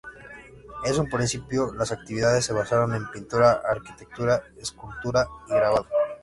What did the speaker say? En un principio las actividades se basaron en Pintura, Arquitectura, Escultura y Grabado.